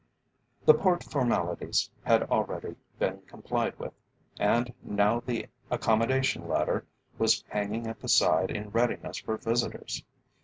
The Port formalities had already been complied with, and now the accommodation ladder was hanging at the side in readiness for visitors.